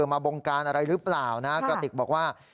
มาบงการอะไรหรือเปล่านะกระติกบอกว่า